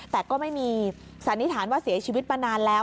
แต่ก็ไม่มีสันนิษฐานว่าเสียชีวิตมานานแล้ว